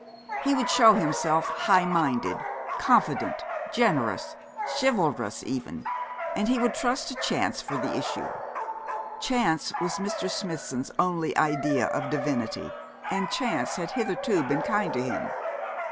He would show himself high minded, confident, generous, chivalrous, even; and he would trust to chance for the issue. Chance was Mr. Smithson's only idea of Divinity; and Chance had hitherto been kind to him.